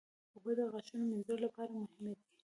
اوبه د غاښونو مینځلو لپاره مهمې دي.